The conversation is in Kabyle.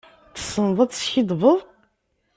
Tessneḍ ad teskiddbeḍ.